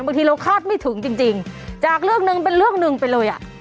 บางทีเราคาดไม่ถึงจริงจริงจากเรื่องหนึ่งเป็นเรื่องหนึ่งไปเลยอ่ะ